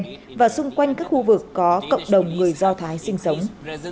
tại copenhagen và xung quanh các khu vực có cộng đồng người do thái sinh sống